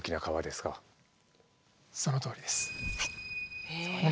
そのとおりです。